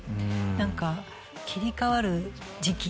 何か切り替わる時期